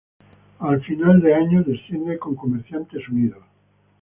A final de año desciende con Comerciantes Unidos.